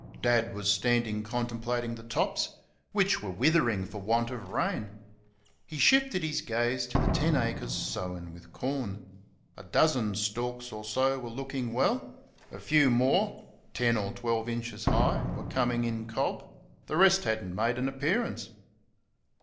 Dad was standing contemplating the tops, which were withering for want of rain. He shifted his gaze to the ten acres sown with corn. A dozen stalks or so were looking well; a few more, ten or twelve inches high, were coming in cob; the rest had n't made an appearance.